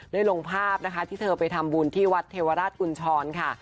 ลงภาพนะคะที่เธอไปทำบุญที่วัดเทวราชกุญชรค่ะ